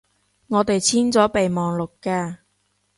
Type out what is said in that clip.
我哋簽咗備忘錄㗎